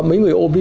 mấy người ôm đi